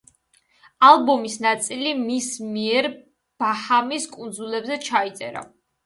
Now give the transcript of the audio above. ალბომის ნაწილი მის მიერ ბაჰამის კუნძულებზე ჩაიწერა.